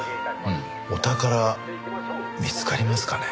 お宝見つかりますかね？